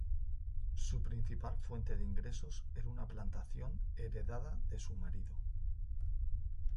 Su principal fuente de ingresos era una plantación heredada de su marido.